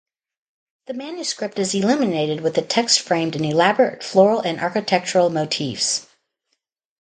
The manuscript is illuminated, with the text framed in elaborate floral and architectural motifs.